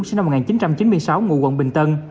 sinh năm một nghìn chín trăm chín mươi sáu ngụ quận bình tân